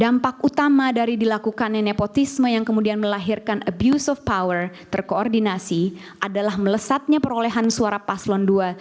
dampak utama dari dilakukannya nepotisme yang kemudian melahirkan abuse of power terkoordinasi adalah melesatnya perolehan suara paslon dua